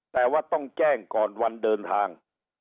แต่ว่าต้องแจ้งก่อนวันเดินทาง